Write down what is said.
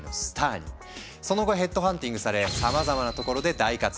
その後ヘッドハンティングされさまざまなところで大活躍。